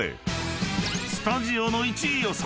［スタジオの１位予想。